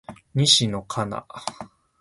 西野カナ